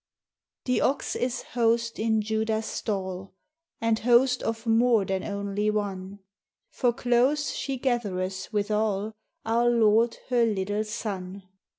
The Ox is host in Juda's stall, And Host of more than onelie one, For close she gathereth withal Our Lorde her littel Sonne.